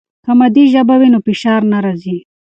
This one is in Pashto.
که مادي ژبه وي نو فشار نه راځي.